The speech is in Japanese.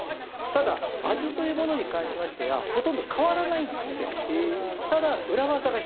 ただ味というものに関しましてはほとんど変わらないんですよ。